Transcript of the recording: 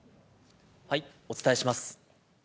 お伝えします。